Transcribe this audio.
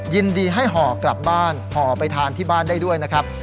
ยินดีให้ห่อกลับบ้านห่อไปทานที่บ้านได้ด้วยนะครับ